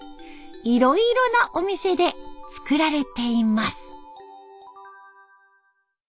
いろいろなお店で作られています。